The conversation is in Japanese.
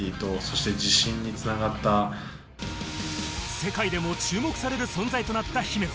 世界でも注目される存在となった姫野。